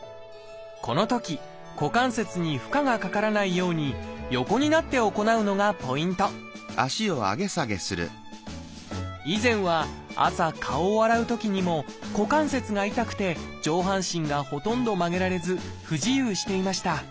このとき股関節に負荷がかからないように以前は朝顔を洗うときにも股関節が痛くて上半身がほとんど曲げられず不自由していました。